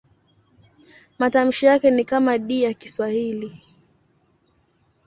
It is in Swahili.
Matamshi yake ni kama D ya Kiswahili.